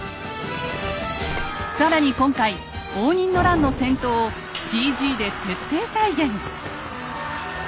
更に今回応仁の乱の戦闘をＣＧで徹底再現。